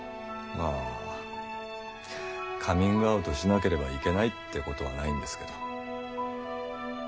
まあカミングアウトしなければいけないってことはないんですけど。